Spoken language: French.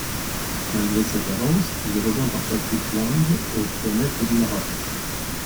Malgré cette avance, il est rejoint par Patrick Lange au kilomètre du marathon.